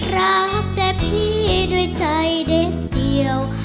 รักแต่พี่ด้วยใจเด็ดเดียว